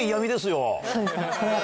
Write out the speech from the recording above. そうですか。